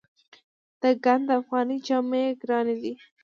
د ګنډ افغاني جامې ګرانې دي؟